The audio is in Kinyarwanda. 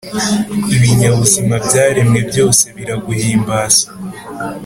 ibinyabuzima byaremwe byose biraguhimbaza